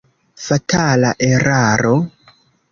Fatala eraro?